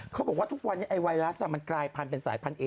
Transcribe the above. เขาบอกว่าวันไอวายลัสมันกลายเป็นสายพันเอ